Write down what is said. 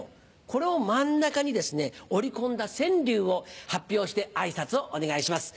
これを真ん中に織り込んだ川柳を発表して挨拶をお願いします。